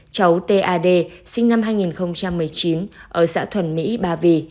cháu tad sinh năm hai nghìn một mươi chín ở xã thuần mỹ ba vì